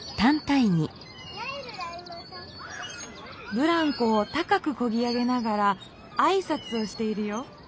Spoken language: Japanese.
ぶらんこを高くこぎ上げながらあいさつをしているよ。